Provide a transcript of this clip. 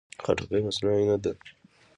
خټکی مصنوعي نه ده.